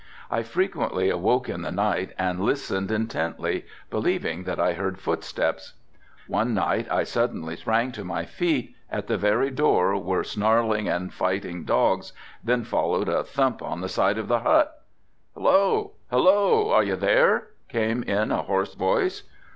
I frequently awoke in the night and listened intently, believing that I heard footsteps. One night I suddenly sprang to my feet, at the very door were snarling and fighting dogs, then followed a thump on the side of the hut. "Hello! Hello! are you there!" came in a hoarse voice.